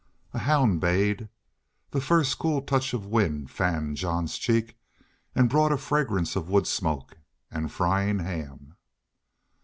A hound bayed. The first cool touch of wind fanned Jean's cheek and brought a fragrance of wood smoke and frying ham.